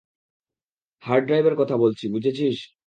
Hard ড্রাইভের কথা বলছি, বুঝেছিস?